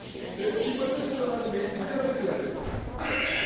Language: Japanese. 「金八先生」でおなじみ武田鉄矢です